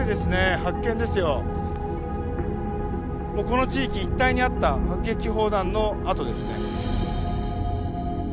この地域一帯にあった迫撃砲弾の跡ですね。